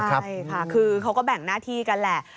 ใช่ค่ะคือเขาก็แบ่งหน้าที่กันแหละ